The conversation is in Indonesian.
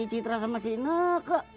gimana sih citra sama si nek lho